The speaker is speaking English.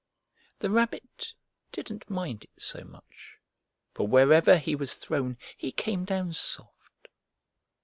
The Rabbit didn't mind it so much, for wherever he was thrown he came down soft.